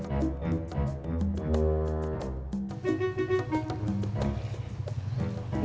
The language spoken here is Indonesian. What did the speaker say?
ya udah aku mau ambil